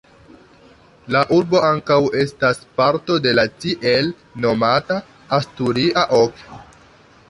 La urbo ankaŭ estas parto de la tiel nomata "Asturia ok".